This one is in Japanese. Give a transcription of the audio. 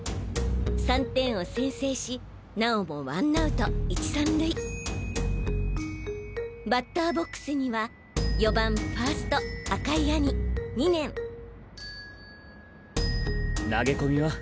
３点を先制しなおもワンアウト１・３塁バッターボックスには４番ファースト赤井兄２年投げ込みは？